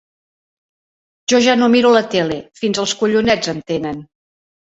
Jo ja no miro la tele; fins el collonets, em tenen.